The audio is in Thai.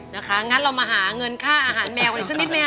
งั้นเรามาหาเงินค่าอาหารแมวกันอีกสักนิดไหมค